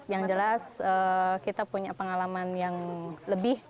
yang jelas kita punya pengalaman yang lebih